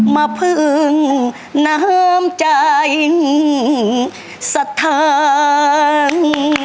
มาพึงน้ำใจสะทาง